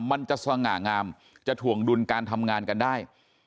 มันจะสง่างามจะถ่วงดุลการทำงานกันได้